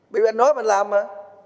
bây giờ anh nói mà anh làm mà